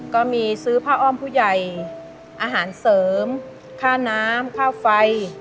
ก็มีซื้อผ้าอ้อมผู้ใหญ่อาหารเสริมค่าน้ำค่าไฟ